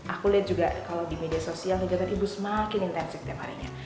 aku lihat juga kalau di media sosial negara negara ibu semakin intensif setiap harinya